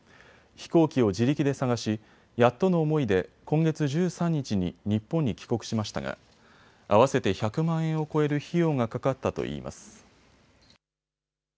飛行機を自力で探しやっとの思いで今月１３日に日本に帰国しましたが合わせて１００万円を超える費用がかかったといいます。